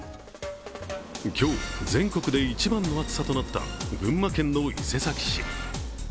今日、全国で一番の暑さとなった群馬県の伊勢崎市。